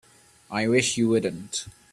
I wish you wouldn't.